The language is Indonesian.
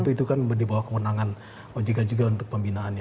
itu kan dibawah kemenangan ojk juga untuk pembinaannya